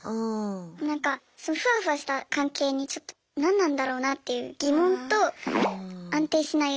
なんかふわふわした関係にちょっと何なんだろうなっていう疑問と安定しない